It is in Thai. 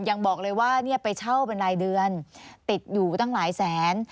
ยังบอกเลยว่าเนี่ยไปเช่าเป็นรายเดือนติดอยู่ตั้งหลายแสน